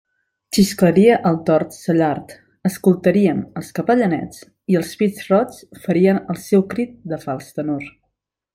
Xisclaria el tord cellard, escoltaríem els capellanets i els pit-roigs farien el seu crit de fals tenor.